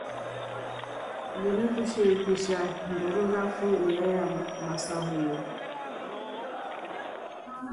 Linu tulishirisha mburu ndafu iya ya masahuyo.